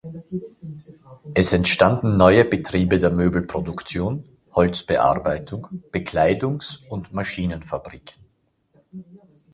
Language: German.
Es entstanden neue Betriebe der Möbelproduktion, Holzbearbeitung, Bekleidungs- und Maschinenfabriken.